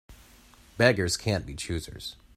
Beggars can't be choosers.